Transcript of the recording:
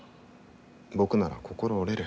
僕なら心折れる。